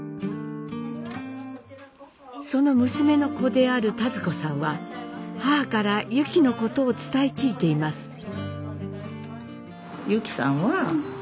その娘の子である田鶴子さんは母からユキのことを伝え聞いています。